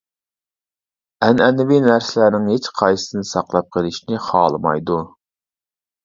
ئەنئەنىۋى نەرسىلەرنىڭ ھېچ قايسىسىنى ساقلاپ قېلىشنى خالىمايدۇ.